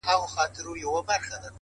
اخلاق د نوم له شهرت نه لوړ دي’